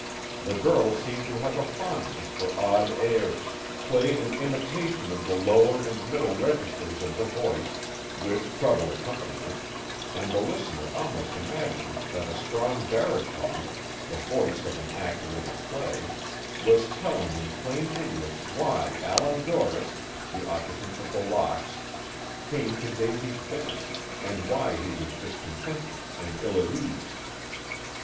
The girl seemed to have a fondness for odd airs, played in imitation of the lower and middle registers of the voice, with treble accompaniment, and the listener almost imagined that a strong baritone, the voice of an actor in a play, was telling in plain English why Allan Dorris, the occupant of The Locks, came to Davy's Bend, and why he was discontented and ill at ease.